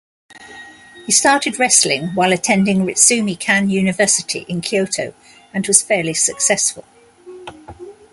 He started wrestling while attending Ritsumeikan University in Kyoto and was fairly successful.